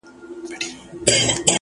ه تا خو تل تر تله په خپگان کي غواړم ـ